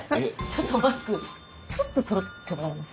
ちょっとマスクちょっと取ってもらえます？